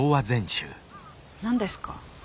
何ですか？